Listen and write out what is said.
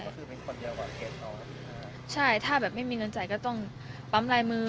ก็คือเป็นคนเดียวกว่าเคสน้องครับใช่ถ้าแบบไม่มีเงินจ่ายก็ต้องปั๊มลายมือ